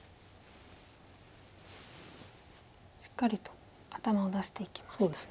しっかりと頭を出していきましたね。